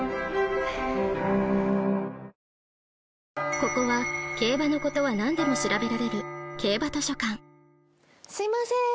ここは競馬のことはなんでも調べられる競馬図書館すいませーん！